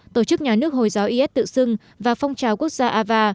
tổ chức nhà nước hồi giáo is tự xưng và phong trào quốc gia ava